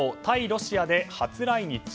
ロシアで初来日。